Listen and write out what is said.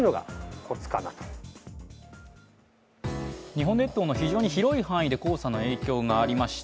日本列島の非常に広い範囲で黄砂の影響がありました。